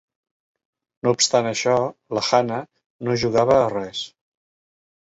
No obstant això, la Hanna no jugava a res.